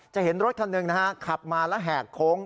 จะเห็นรถทางหนึ่งขับมาแล้วแหกโค้ง